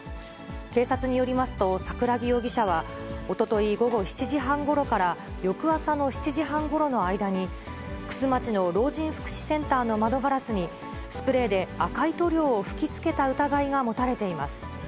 警察によりますと、桜木容疑者は、おととい午後７時半ごろから翌朝の７時半ごろの間に、玖珠町の老人福祉センターの窓ガラスに、スプレーで赤い塗料を吹きつけた疑いが持たれています。